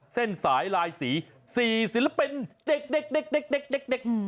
เส้นสายลายสี๔ศิลปินเด็ก